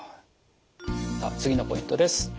さあ次のポイントです。